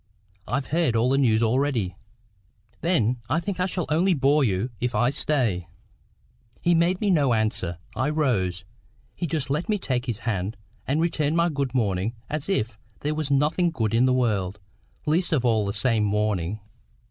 "I've heard all the news already." "Then I think I shall only bore you if I stay." He made me no answer. I rose. He just let me take his hand, and returned my good morning as if there was nothing good in the world, least of all this same morning.